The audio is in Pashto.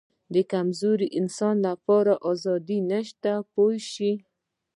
د کمزوري انسان لپاره آزادي نشته پوه شوې!.